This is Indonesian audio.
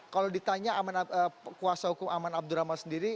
kalau ditanya kuasa hukum aman abdurrahman sendiri